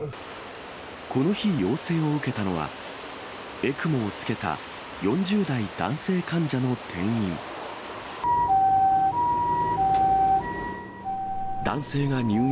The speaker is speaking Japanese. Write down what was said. この日、要請を受けたのは、ＥＣＭＯをつけた４０代男性患者の転院。